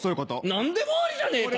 何でもありじゃねえか！